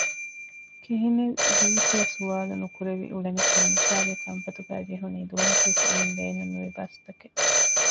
ކިހިނެތްވީތޯ ސުވާލު ނުކުރެވި އުޅެނިކޮށް ނިޝާގެ ކަންފަތުގައި ޖެހުނީ ދުވަހަކުވެސް އިވެން ބޭނުން ނުވި ބަސްތަކެއް